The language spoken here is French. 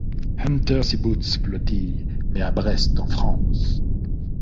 Unterseebootsflottille, mais à Brest en France.